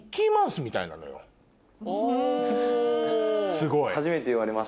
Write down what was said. すごい。